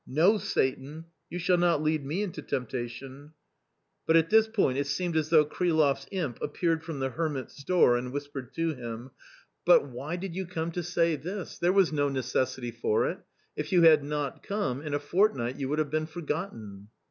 No, Satan, you shall not lead me into temptation !" But at this point it seemed as though Kriloffs imp appeared from the hermit's store and whispered to him, "But 2i8 A COMMON STORY why did you come to say this ? there was no necessity for it ; if you had not come, in a fortnight you would have been forgotten."